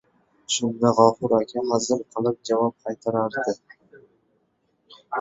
Shunda G‘afur aka hazil qilib javob qaytarardi: